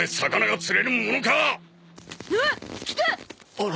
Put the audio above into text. あら。